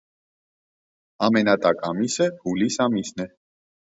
Ամենատաք ամիսը հուլիս ամիսն է։